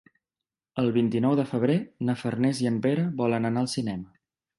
El vint-i-nou de febrer na Farners i en Pere volen anar al cinema.